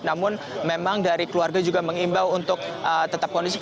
namun memang dari keluarga juga mengimbau untuk tetap kondisif